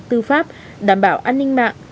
tư pháp đảm bảo an ninh mạng